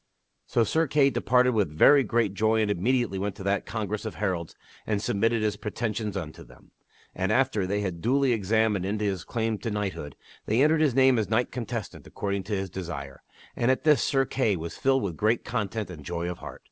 So Sir Kay departed with very great joy and immediately went to that congress of heralds and submitted his pretensions unto them. And, after they had duly examined into his claims to knighthood, they entered his name as a knight contestant according to his desire ; and at this Sir Kay was filled with great content and joy of heart.